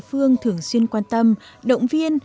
phương thường xuyên quan tâm động viên